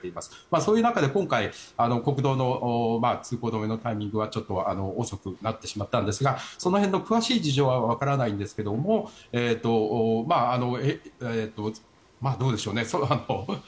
そういう中で今回国道の通行止めのタイミングはちょっと遅くなってしまったんですがその辺の詳しい事情はわからないんですがどうでしょうね。